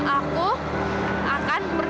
aku akan pergi